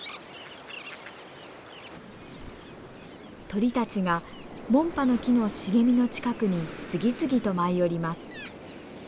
鳥たちがモンパノキの茂みの近くに次々と舞い降ります。